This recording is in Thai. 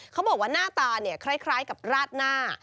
เขาบอกว่าหน้าตาคล้ายกับราดหน้า